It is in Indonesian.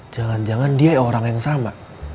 jangan jangan dia orang yang sama